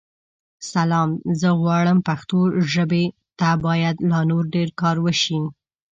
سلام؛ زه غواړم پښتو ژابې ته بايد لا نور ډير کار وشې.